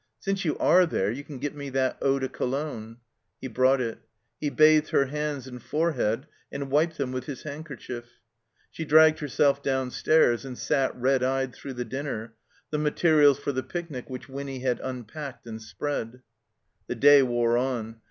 "Since you are there you can get me that eau de Cologne." He brought it. He bathed her hands and fore head and wiped them with his handkerchief. She dragged herself downstairs and sat red eyed through the dinner, the materials for the picnic which Winny had unpacked and spread. The day wore on.